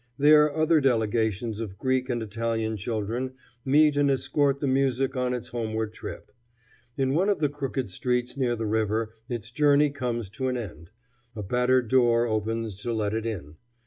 There other delegations of Greek and Italian children meet and escort the music on its homeward trip. In one of the crooked streets near the river its journey comes to an end. A battered door opens to let it in.